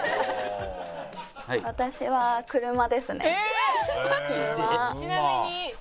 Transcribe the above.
私は車ですね。